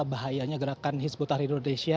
bahayanya gerakan hizbut tahrir indonesia